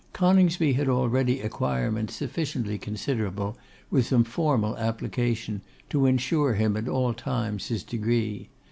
Coningsby had already acquirements sufficiently considerable, with some formal application, to ensure him at all times his degree.